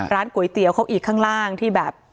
ร้านก๋วยเตี๋ยวเขาอีกข้างล่างที่แบบ